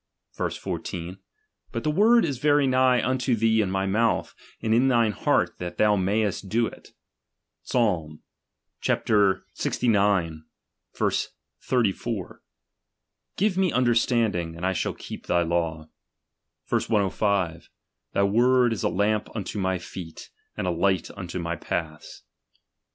Verse. 14 : But the word is very nigh unto thee in my mouth, and in thine heart, that thou mayest do it. Psalm cxix. 34 : Give me un derstanding, and I shall heep thy law. Verse 105: Thy word is a lamp unto my feet, and a light unto my paths.